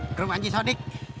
ke rumah anji sodik